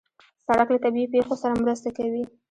سړک له طبیعي پېښو سره مرسته کوي.